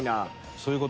そういう事。